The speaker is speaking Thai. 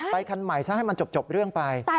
คันใหม่ซะให้มันจบเรื่องไป